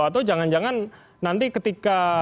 atau jangan jangan nanti ketika